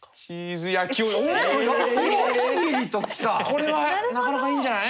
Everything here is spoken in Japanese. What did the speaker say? これはなかなかいいんじゃない？